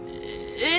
え？